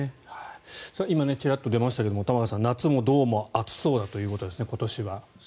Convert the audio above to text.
今ちらっと出ましたが夏もどうも暑そうだということですね。